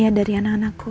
udah mikir besok huh